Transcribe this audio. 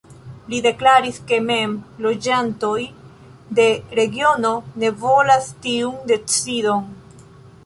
Li deklaris ke mem loĝantoj de regiono ne volas tiun decidon.